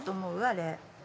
あれ。